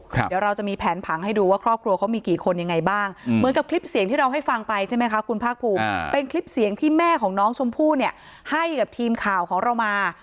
เดี๋ยวเราจะมีแผนผังให้ดูว่าครอบครัวเขามีกี่คนยังไงบ้างเหมือนกับคลิปเสียงที่เราให้ฟังไปใช่ไหมคะคุณภาคภูมิเป็นคลิปเสียงที่แม่ของน้องชมพู่เนี่ยให้กับทีมข่าวของเรามา